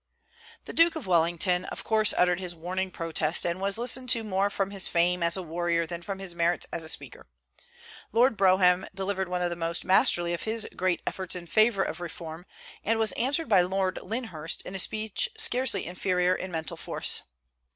The Duke of Wellington of course uttered his warning protest, and was listened to more from his fame as a warrior than from his merits as a speaker. Lord Brougham delivered one of the most masterly of his great efforts in favor of reform, and was answered by Lord Lyndhurst in a speech scarcely inferior in mental force.